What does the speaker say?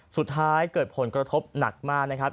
สุดท้ายเกิดผลกระทบหนักมากนะครับ